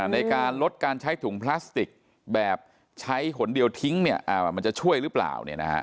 ในการลดการใช้ถุงพลาสติกแบบใช้ขนเดียวทิ้งมันจะช่วยหรือเปล่า